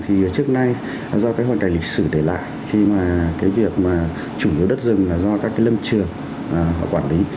thì trước nay do cái hoàn cảnh lịch sử để lại khi mà cái việc mà chủ yếu đất rừng là do các cái lâm trường quản lý